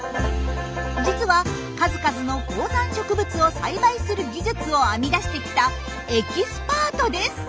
実は数々の高山植物を栽培する技術を編み出してきたエキスパートです。